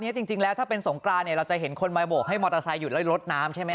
จริงแล้วถ้าเป็นสงกรานเนี่ยเราจะเห็นคนมาโบกให้มอเตอร์ไซค์หยุดแล้วลดน้ำใช่ไหม